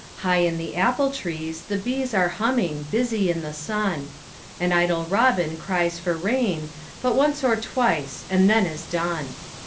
High in the apple trees the bees Are humming, busy in the sun, An idle robin cries for rain But once or twice and then is done.